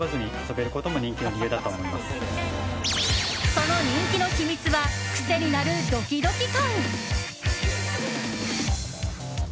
その人気の秘密は癖になるドキドキ感。